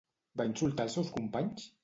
Va insultar als seus companys?